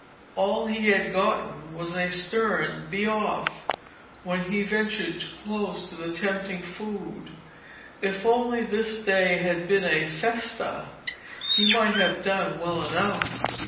All he had got was a stern 'be off' when he ventured too close to the tempting food. If only this day had been a festa, he might have done well enough.